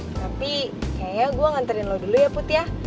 tapi kayaknya gue nganterin lo dulu ya put ya